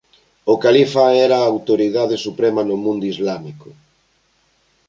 O califa era a autoridade suprema do mundo islámico.